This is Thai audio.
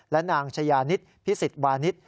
และนางชายานิตพิศิษฐ์วานิต